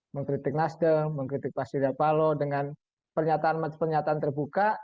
mengkritik nasdem mengkritik pak surya paloh dengan pernyataan pernyataan terbuka